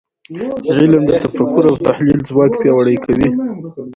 علم د تفکر او تحلیل ځواک پیاوړی کوي .